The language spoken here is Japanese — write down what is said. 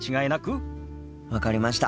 分かりました。